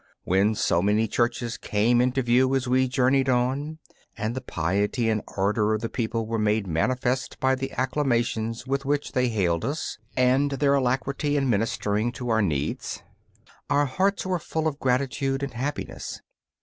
When so many churches came into view as we journeyed on, and the piety and ardour of the people were made manifest by the acclamations with which they hailed us and their alacrity in ministering to our needs, our hearts were full of gratitude and happiness.